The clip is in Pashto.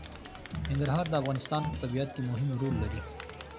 ننګرهار د افغانستان په طبیعت کې مهم رول لري.